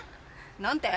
何て？